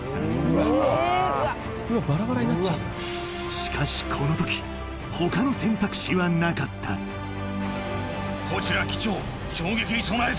しかしこの時他の選択肢はなかったこちら機長衝撃に備えて！